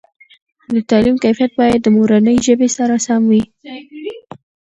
دتعلیم کیفیت باید د مورنۍ ژبې سره سم وي.